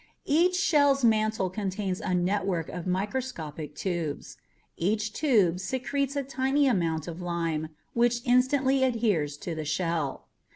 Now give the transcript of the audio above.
Each shell's mantle contains a network of microscopic tubes. Each tube secretes a tiny amount of lime which instantly adheres to the shell.